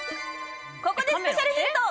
ここでスペシャルヒント